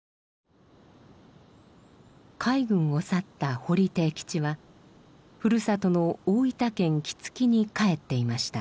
海軍を去った堀悌吉はふるさとの大分県杵築に帰っていました。